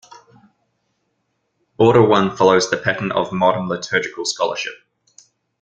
Order One follows the pattern of modern liturgical scholarship.